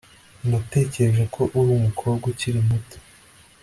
Natekereje ko uri umukobwa ukiri muto